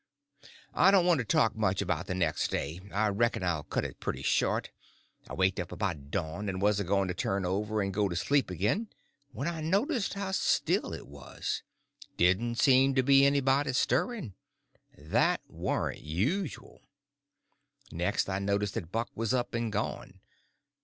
I don't want to talk much about the next day. I reckon I'll cut it pretty short. I waked up about dawn, and was a going to turn over and go to sleep again when I noticed how still it was—didn't seem to be anybody stirring. That warn't usual. Next I noticed that Buck was up and gone.